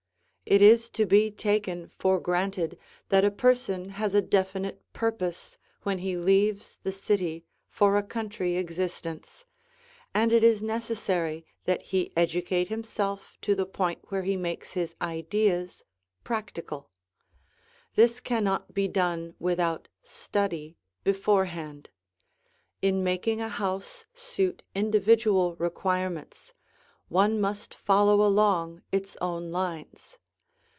It is to be taken for granted that a person has a definite purpose when he leaves the city for a country existence, and it is necessary that he educate himself to the point where he makes his ideas practical. This cannot be done without study beforehand. In making a house suit individual requirements, one must follow along its own lines.